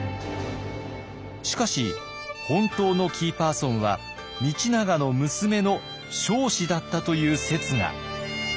しかし本当のキーパーソンは道長の娘の彰子だったという説が。